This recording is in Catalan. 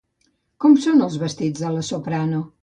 Com són els vestits de la soprano?